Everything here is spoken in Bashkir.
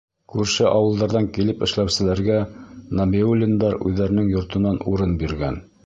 Күрше ауылдарҙан килеп эшләүселәргә Нәбиуллиндар үҙҙәренең йортонан урын биргән.